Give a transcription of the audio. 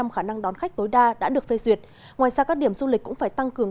khả năng đón khách tối đa đã được phê duyệt ngoài ra các điểm du lịch cũng phải tăng cường